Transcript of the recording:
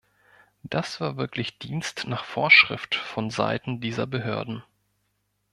Das war wirklich Dienst nach Vorschrift von seiten dieser Behörden.